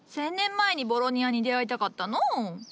１，０００年前にボロニアに出会いたかったのう。